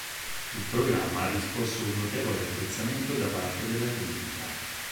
Il programma ha riscosso un notevole apprezzamento da parte della critica.